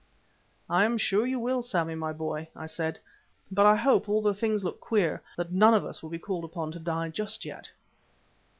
"I am sure that you will, Sammy my boy," I said. "But I hope, although things look queer, that none of us will be called upon to die just yet."